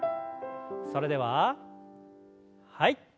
それでははい。